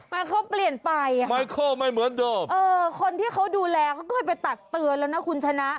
ไมเคิลเปลี่ยนไปคนที่เขาดูแลเขาเคยไปตัดเตือนแล้วนะคุณชนะ